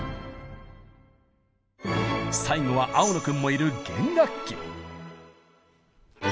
最後は青野君もいる弦楽器。